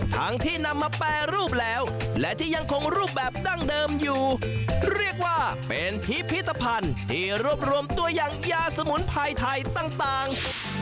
ทั้งที่นำมาแปรรูปแล้วและที่ยังคงรูปแบบดั้งเดิมอยู่เรียกว่าเป็นพิพิธภัณฑ์ที่รวบรวมตัวอย่างยาสมุนไพรไทยต่าง